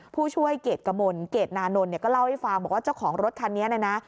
ผู้ช่วยเกรดกมลเกรดนานนท์เนี่ยก็เล่าให้ฟังบอกว่าเจ้าของรถคันนี้เนี่ยนะ